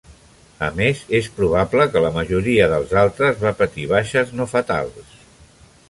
A més, és probable que la majoria dels altres va patir baixes no fatals.